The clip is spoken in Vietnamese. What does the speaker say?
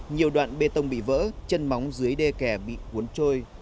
nhiều đoạn bê tông bị vỡ chân móng dưới đê kè bị cuốn trôi